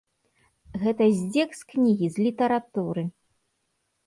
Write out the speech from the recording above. Гэта здзек з кнігі, з літаратуры!